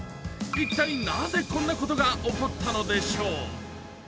一体なぜこんなことが起こったのでしょう。